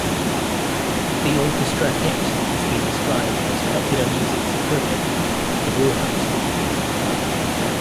The orchestra hit has been described as popular music's equivalent to the Wilhelm scream.